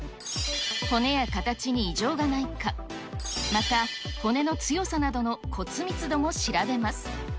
骨や形に異常がないか、また骨の強さなどの骨密度も調べます。